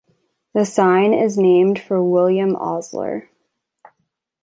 The sign is named for William Osler.